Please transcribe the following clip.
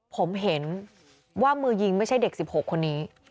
ผมเห็นว่ามือยิงไม่ใช่เด็ก๑๖คนนี้